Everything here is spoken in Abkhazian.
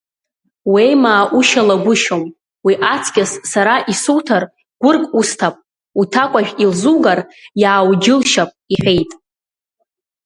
Уеимаа ушьалагәышьом, уи аҵкьыс сара исуҭар гәырк усҭап, уҭакәажә илзугар, иаауџьылшьап, — иҳәеит.